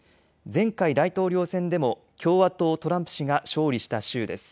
前回、大統領選でも共和党トランプ氏が勝利した州です。